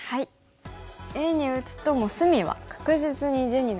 Ａに打つともう隅は確実に地になりますよね。